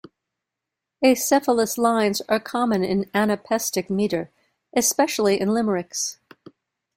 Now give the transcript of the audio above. Acephalous lines are common in anapestic metre, especially in limericks.